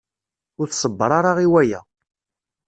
Ur tṣebber ara i waya.